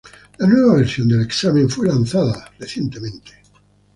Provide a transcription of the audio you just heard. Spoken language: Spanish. La nueva versión del examen fue lanzado recientemente.